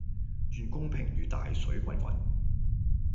願公平如大水滾滾